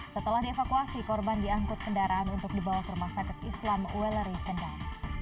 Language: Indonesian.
setelah dievakuasi korban diangkut kendaraan untuk dibawa ke rumah sakit islam weleri kendal